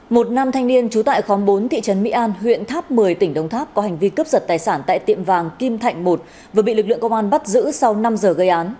một nam thanh niên trú tại khóm bốn thị trấn mỹ an huyện tháp một mươi tỉnh đông tháp có hành vi cướp giật tài sản tại tiệm vàng kim thạnh một vừa bị lực lượng công an bắt giữ sau năm giờ gây án